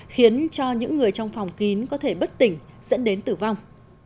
khiến cho những người trong phòng kín có thể bất tỉnh dẫn đến tử vong